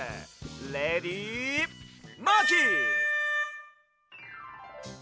レディマーキー！